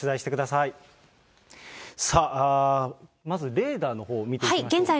さあ、まずレーダーのほうを見ていきましょうか。